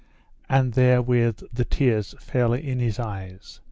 And therewith the tears fell in his eyes.